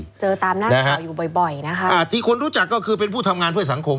เจอตามหน้าข่าวอยู่บ่อยบ่อยนะคะอ่าที่คนรู้จักก็คือเป็นผู้ทำงานเพื่อสังคม